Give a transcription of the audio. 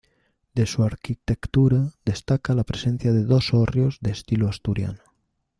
De su arquitectura destaca la presencia de dos hórreos de estilo asturiano.